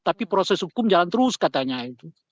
tapi proses hukum jalan terus katanya itu